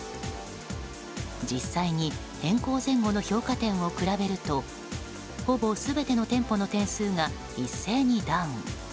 実際に、変更前後の評価点を比べるとほぼ全ての店舗の点数が一斉にダウン。